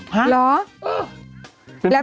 หรอ